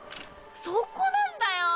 そこなんだよ。